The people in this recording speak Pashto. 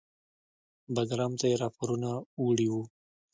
بګرام ته یې راپورونه وړي وو.